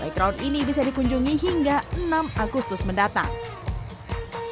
icrowd ini bisa dikunjungi hingga enam agustus mendatang